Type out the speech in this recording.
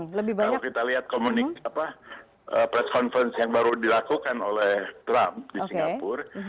kalau kita lihat press conference yang baru dilakukan oleh trump di singapura